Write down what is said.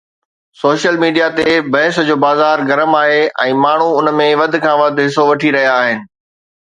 Social media تي بحث جو بازار گرم آهي ۽ ماڻهو ان ۾ وڌ کان وڌ حصو وٺي رهيا آهن.